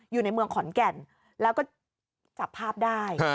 อยู่ในเมืองขอนแก่นแล้วก็จับภาพได้